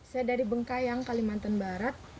saya dari bengkayang kalimantan barat